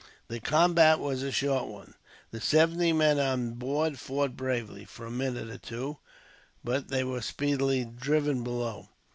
The combat was a short one. The seventy men on board fought bravely, for a minute or two, but they were speedily driven below.